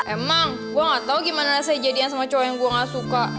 emang gue ga tau gimana rasanya jadian sama cowo yang gue ga suka